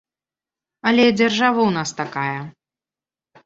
Але дзяржава ў нас такая.